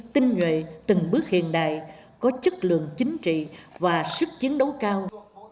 tinh nguệ từng bước hiện đại có chất lượng chính trị và sức chiến đấu cao